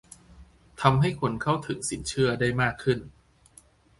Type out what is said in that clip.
ทำให้คนเข้าถึงสินเชื่อได้มากขึ้น